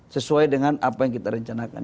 sesuai dengan apa yang kita rencanakan